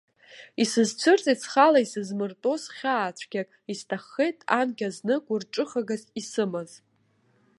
Исызцәырҵит схала исызмыртәоз хьаацәгьак, исҭаххеит анкьа зны гәырҿыхагас исымаз.